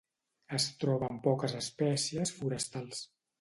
Es troben poques espècies forestals.